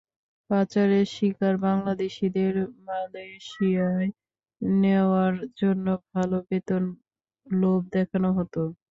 পাচারের শিকার বাংলাদেশিদের মালয়েশিয়ায় নেওয়ার জন্য ভালো বেতনের লোভ দেখানো হতো।